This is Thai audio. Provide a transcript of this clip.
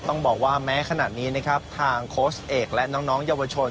ต้องบอกว่าแม้ขนาดนี้นะครับทางโค้ชเอกและน้องเยาวชน